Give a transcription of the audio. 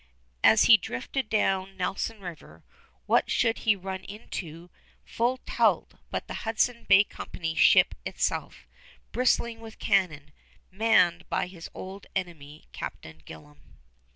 As he drifted down Nelson River, what should he run into full tilt but the Hudson's Bay Company ship itself, bristling with cannon, manned by his old enemy, Captain Gillam!